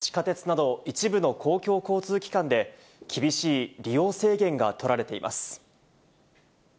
地下鉄など一部の公共交通機関で、厳しい利用制限が取られています。